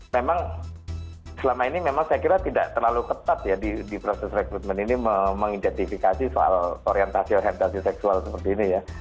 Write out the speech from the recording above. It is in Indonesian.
memang selama ini memang saya kira tidak terlalu ketat ya di proses rekrutmen ini mengidentifikasi soal orientasi orientasi seksual seperti ini ya